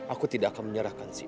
aku tidak akan menyerahkan sih